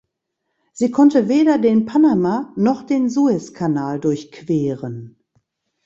Sie konnte weder den Panama- noch den Sueskanal durchqueren.